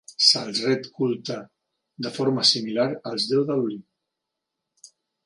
Se'ls ret culte de forma similar als deus de l'Olimp.